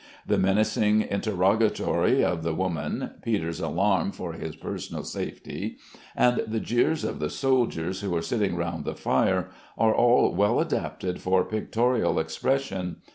The menacing interrogatory of the woman, Peter's alarm for his personal safety, and the jeers of the soldiers who are sitting round the fire, are all well adapted for pictorial expression.